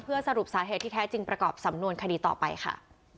สรุปสาเหตุที่แท้จริงประกอบสำนวนคดีต่อไปค่ะ